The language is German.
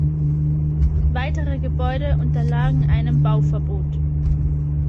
Weitere Gebäude unterlagen einem Bauverbot.